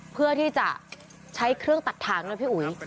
เพื่อที่จะใช้เครื่องตัดทางนะพี่อุ๋ย